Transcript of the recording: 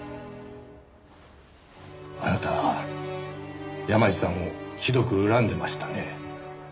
あなた山路さんをひどく恨んでましたね。